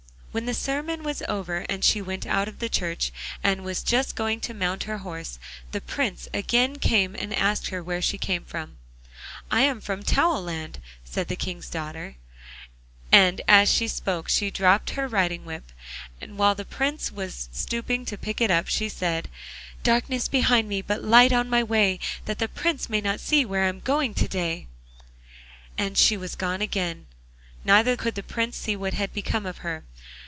When the sermon was over and she went out of the church, and was just going to mount her horse, the Prince again came and asked her where she came from. 'I am from Towelland,' said the King's daughter, and as she spoke she dropped her riding whip, and while the Prince was stooping to pick it up she said: 'Darkness behind me, but light on my way, That the Prince may not see where I'm going to day!' And she was gone again, neither could the Prince see what had become of her.